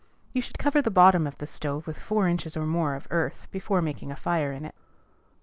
You should cover the bottom of the stove with four inches or more of earth before making a fire in it.